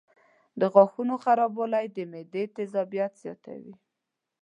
د غاښونو خرابوالی د معدې تیزابیت زیاتوي.